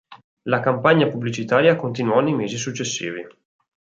La campagna pubblicitaria continuò nei mesi successivi.